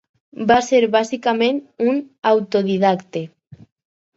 Va ser bàsicament un autodidacte.